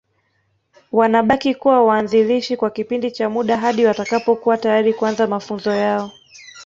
Wanabaki kuwa waanzilishi kwa kipindi cha muda hadi watakapokuwa tayari kuanza mafunzo yao